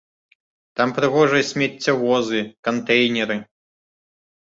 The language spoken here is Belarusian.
Там прыгожыя смеццявозы, кантэйнеры.